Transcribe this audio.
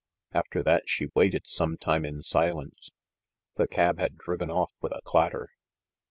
After that she waited some time in silence. The cab had driven off with a clatter.